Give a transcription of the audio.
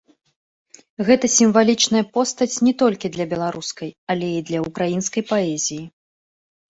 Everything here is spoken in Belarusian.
Гэта сімвалічная постаць не толькі для беларускай, але і для ўкраінскай паэзіі.